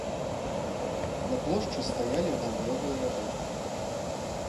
На плошчы стаялі гандлёвыя рады.